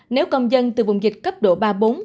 nếu công dân từ vùng dịch cấp độ ba bốn